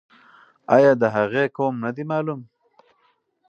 آیا د هغې قوم نه دی معلوم؟